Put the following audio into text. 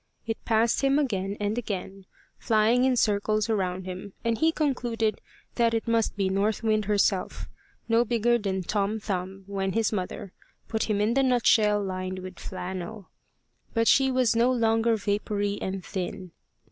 It passed him again and again, flying in circles around him, and he concluded that it must be North Wind herself, no bigger than Tom Thumb when his mother put him in the nutshell lined with flannel. But she was no longer vapoury and thin.